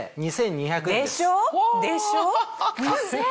２０００でしょ？